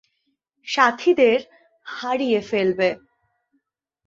সাথীদের হারিয়ে ফেলবে।